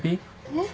えっ？